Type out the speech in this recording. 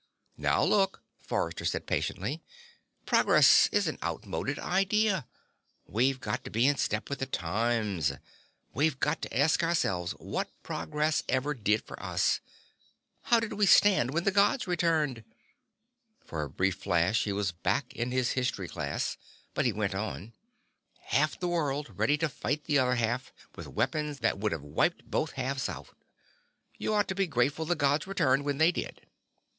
"Now look," Forrester said patiently, "progress is an outmoded idea. We've got to be in step with the times. We've got to ask ourselves what progress ever did for us. How did we stand when the Gods returned?" For a brief flash he was back in his history class, but he went on: "Half the world ready to fight the other half with weapons that would have wiped both halves out. You ought to be grateful the Gods returned when they did."